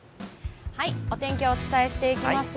お天気をお伝えしていきます。